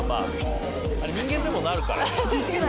あれ人間でもなるからね。